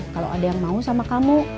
kalau ada yang mau sama kamu